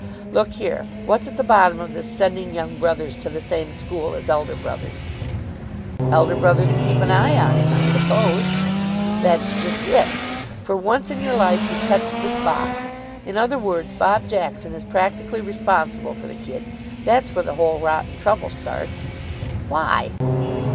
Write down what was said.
"Look here, what's at the bottom of this sending young brothers to the same school as elder brothers?" "Elder brother can keep an eye on him, I suppose." "That's just it. For once in your life you've touched the spot. In other words, Bob Jackson is practically responsible for the kid. That's where the whole rotten trouble starts." "Why?"